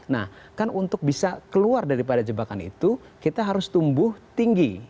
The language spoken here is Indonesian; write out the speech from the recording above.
nah kan untuk bisa keluar daripada jebakan itu kita harus tumbuh tinggi